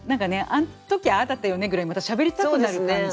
「あん時ああだったよね」ぐらいまたしゃべりたくなる感じの。